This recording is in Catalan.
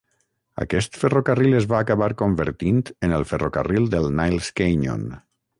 Aquest ferrocarril es va acabar convertint en el ferrocarril del Niles Canyon.